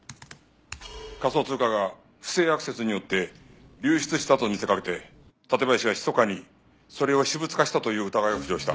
仮想通貨が不正アクセスによって流出したと見せかけて館林はひそかにそれを私物化したという疑いが浮上した。